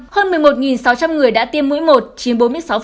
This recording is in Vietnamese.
hơn một mươi một sáu trăm linh người đã tiêm mũi một chiếm bốn mươi sáu